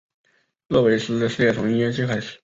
热维斯的事业从音乐界开始。